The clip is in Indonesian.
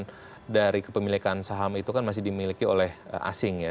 dan juga kalau kita lihat dari sisi kepemilikan saham itu kan masih dimiliki oleh asing ya